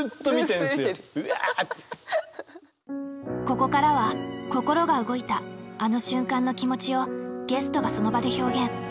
ここからは心が動いたあの瞬間の気持ちをゲストがその場で表現。